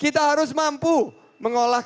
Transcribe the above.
kami harus memiliki